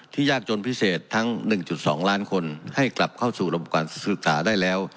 ยากจนพิเศษทั้ง๑๒ล้านคนให้กลับเข้าสู่ระบบการศึกษาได้แล้ว